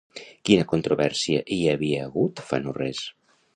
Quina controvèrsia hi havia hagut fa no res?